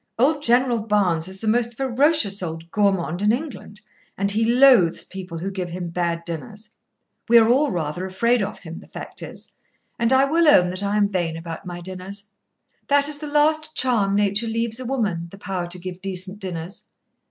Old General Barnes is the most ferocious old gourmand in England, and he loathes people who give him bad dinners. We are all rather afraid of him, the fact is, and I will own that I am vain about my dinners. That is the last charm nature leaves a woman, the power to give decent dinners.